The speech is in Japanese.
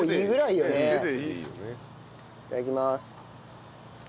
いただきます。